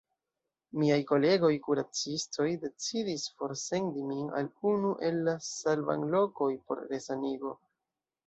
Miaj kolegoj-kuracistoj decidis forsendi min al unu el la salbanlokoj por resanigo.